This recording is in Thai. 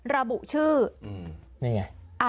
ระบุชื่อนี่ไง